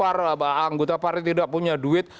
anggota partai tidak punya duit